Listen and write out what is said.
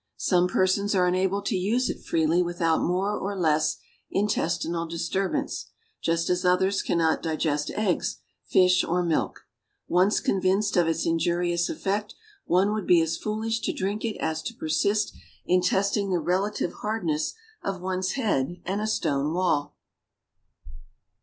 Some persons are unable to use it freely without more or less intestinal disturbance, just as others cannot digest eggs, fish, or milk; once convinced of its injurious effect, one would be as foolish to drink it as to persist in testing the relative hardness of one's head and a stone wall.